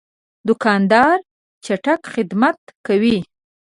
دوکاندار چټک خدمت کوي.